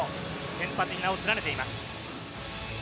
先発に名を連ねています。